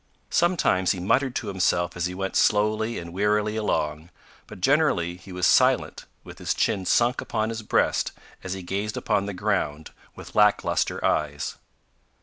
Sometimes he muttered to himself as he went slowly and wearily along, but generally he was silent with his chin sunk upon his breast as he gazed upon the ground with lack lustre eyes.